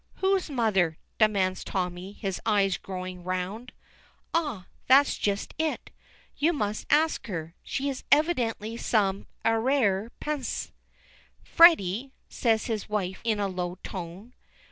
"Whose mother?" demands Tommy, his eyes growing round. "Ah, that's just it. You must ask her. She has evidently some arrière pensée." "Freddy," says his wife in a low tone.